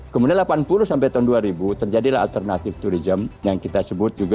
kemudian delapan puluh sampai tahun dua ribu terjadilah alternatif tourism yang kita sebut juga